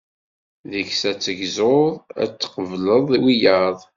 Deg-s ad tegzuḍ, ad tqebleḍ wiyaḍ.